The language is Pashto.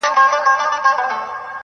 هغه به خپل زړه په ژړا وویني.